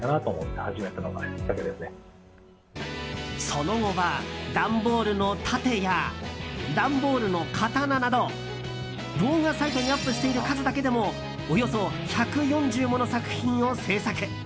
その後は段ボールの盾や段ボールの刀など動画サイトにアップしている数だけでもおよそ１４０もの作品を制作。